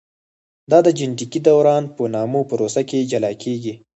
دا د جینټیکي دوران په نامه پروسه کې جلا کېږي.